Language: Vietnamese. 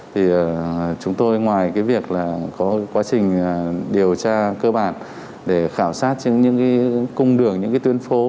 thì chúng tôi ngoài cái việc là có quá trình điều tra cơ bản để khảo sát những cung đường những tuyến phố